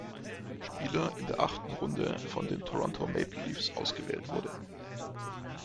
Spieler in der achten Runde von den Toronto Maple Leafs ausgewählt wurde.